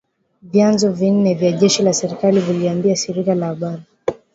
Vyanzo vinne vya jeshi la serikali vililiambia shirika la habari.